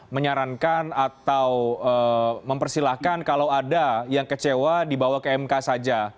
menyarankan atau mempersilahkan kalau ada yang kecewa dibawa ke mk saja